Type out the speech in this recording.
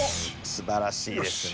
すばらしいですね。